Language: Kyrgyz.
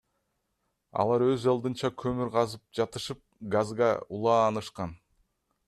Алар өз алдынча көмүр казып жатышып газга улаанышкан.